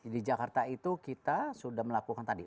di jakarta itu kita sudah melakukan tadi